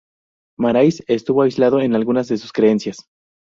Marais estuvo aislado en algunas de sus creencias.